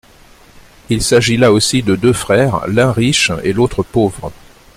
Il s'agit là aussi de deux frères, l'un riche et l'autre pauvre.